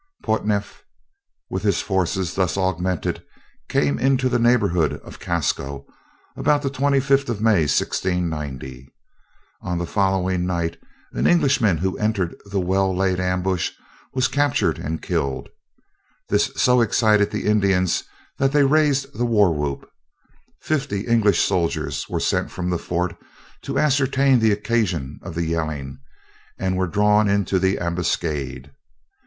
Portneuf, with his forces thus augmented, came into the neighborhood of Casco, about the 25th of May, 1690. On the following night, an Englishman who entered the well laid ambush was captured and killed. This so excited the Indians that they raised the war whoop. Fifty English soldiers were sent from the fort to ascertain the occasion of the yelling, and were drawn into the ambuscade.